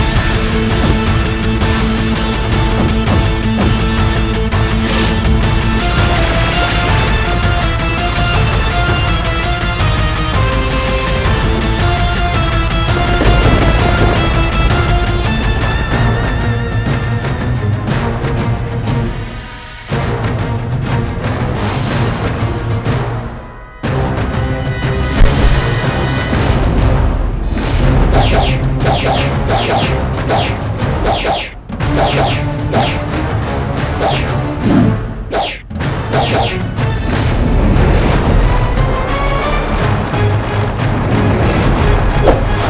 terus mengusik kedamaian pajajar